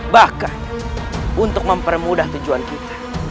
bahkan untuk mempermudah tujuan kita